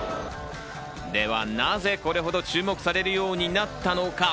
では、なぜこれほど注目されるようになったのか？